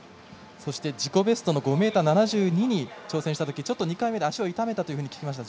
そして自己ベストの５ｍ７２に挑戦したとき２回目で足を痛めたと聞きました。